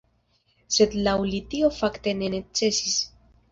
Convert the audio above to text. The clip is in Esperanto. Sed laŭ li tio fakte ne necesis.